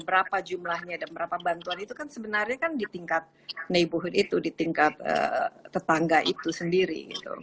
berapa jumlahnya dan berapa bantuan itu kan sebenarnya kan di tingkat neybohud itu di tingkat tetangga itu sendiri